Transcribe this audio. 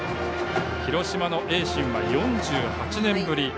広島の盈進は４８年ぶり。